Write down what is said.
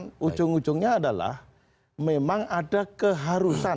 dan ujung ujungnya adalah memang ada keharusan